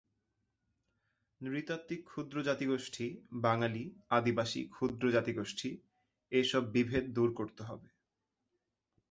নৃতাত্ত্বিক ক্ষুদ্র জাতিগোষ্ঠী, বাঙালি, আদিবাসী, ক্ষুদ্র জাতিগোষ্ঠী—এসব বিভেদ দূর করতে হবে।